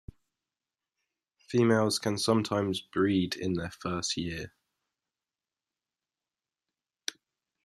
Females can sometimes breed in their first year.